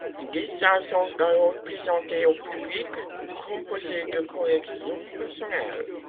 Dix salles sont alors présentées au public, composées de collections personnelles.